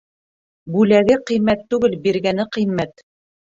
Бүләге ҡиммәт түгел, биргәне ҡиммәт.